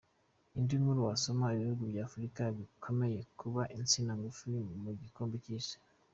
Indi nkuru wasoma:Ibihugu bya Afurika bikomeje kuba insina ngufi mu gikombe cy’Isi.